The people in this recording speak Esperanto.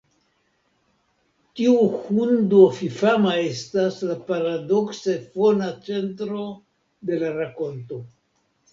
Tiu hundo fifama estas la paradokse fona centro de la rakonto.